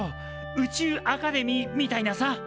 宇宙アカデミーみたいなさ！